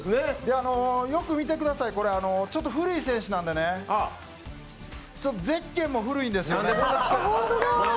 よく見てください、ちょっと古い選手なんでねゼッケンも古いんですよ。